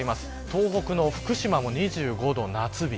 東北の福島も２５度、夏日。